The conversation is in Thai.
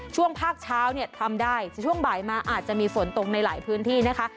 ภาคเช้าเนี่ยทำได้ช่วงบ่ายมาอาจจะมีฝนตกในหลายพื้นที่นะคะ